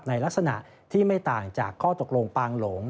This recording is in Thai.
ในลักษณะที่ไม่ต่างจากข้อตกลงปางหลง